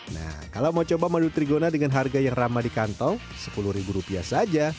nah kalau mau coba madu trigona dengan harga yang ramah di kantong sepuluh ribu rupiah saja